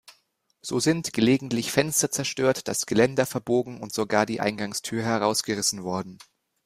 So sind gelegentlich Fenster zerstört, das Geländer verbogen und sogar die Eingangstür herausgerissen worden.